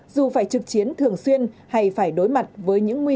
dù phải trực chiến thường xuyên hay phải đối mặt với những nguy cơ